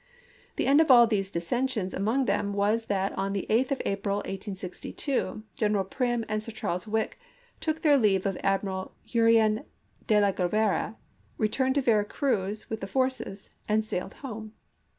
The end of all these dissensions among them was that on the 8th of April, 1862, General Prim and Sir Charles Wyke took their leave of Admiral Jurien de la Graviere, returned to Vera Cruz with the forces, and sailed for home.